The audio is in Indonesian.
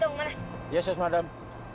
dong mana yesus madam